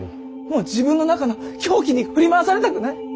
もう自分の中の狂気に振り回されたくない。